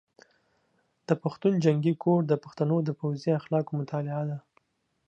د پښتون جنګي کوډ د پښتنو د پوځي اخلاقو مطالعه ده.